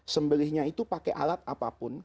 sembelihnya itu pakai alat apapun